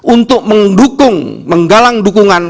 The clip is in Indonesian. untuk mendukung menggalang dukungan